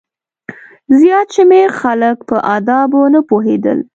زیات شمېر خلک په آدابو نه پوهېدل.